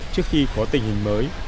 trước khi có tình hình mới